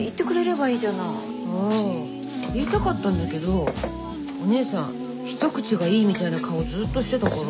あ言いたかったんだけどお姉さん一口がいいみたいな顔ずっとしてたから。